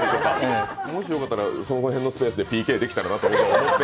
もしよかったらその辺のスペースでＰＫやったり。